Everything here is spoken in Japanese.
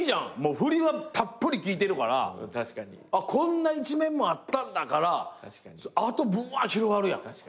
フリはたっぷりきいてるから「こんな一面もあったんだ」からあとブワ広がるやん。